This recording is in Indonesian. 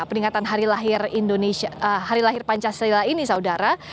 peringatan hari lahir pancasila ini saudara